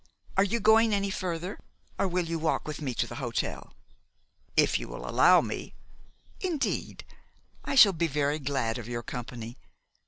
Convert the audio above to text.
Are you going any farther, or will you walk with me to the hotel?" "If you will allow me " "Indeed, I shall be very glad of your company.